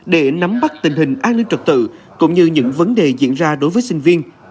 để nắm bắt tình hình an ninh trật tự cũng như những vấn đề diễn ra đối với sinh viên